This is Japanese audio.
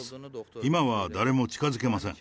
今は誰も近づけません。